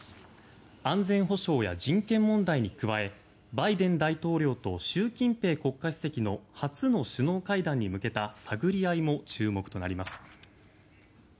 安全保障や人権問題に加えバイデン大統領と習近平国家主席の初の首脳会談に向けた探り合いも注目となります。